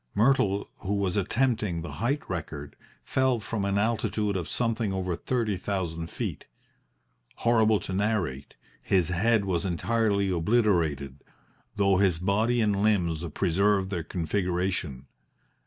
Myrtle, who was attempting the height record, fell from an altitude of something over thirty thousand feet. Horrible to narrate, his head was entirely obliterated, though his body and limbs preserved their configuration.